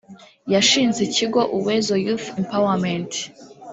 yashinze ikigo Uwezo Youth Empowerment